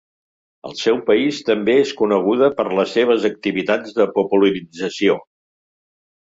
Al seu país també és coneguda per les seves activitats de popularització.